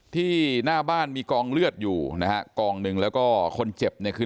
ที่หน้าบ้านมีกองเลือดอยู่นะฮะกองหนึ่งแล้วก็คนเจ็บเนี่ยคือ